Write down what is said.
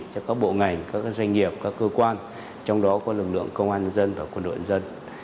cho các bộ ngành các doanh nghiệp các cơ quan trong đó có lực lượng công an nhân dân và quân đội dân